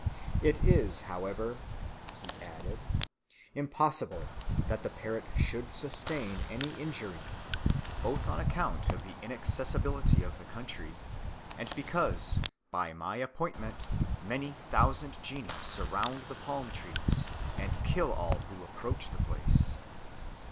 It is, however," he added, "impossible that the parrot should sustain any injury, both on account of the inaccessibility of the country, and because, by my appointment, many thousand genii surround the palm trees, and kill all who approach the place."